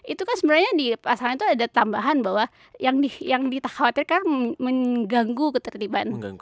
itu kan sebenarnya di pasangan itu ada tambahan bahwa yang dikhawatirkan mengganggu ketertiban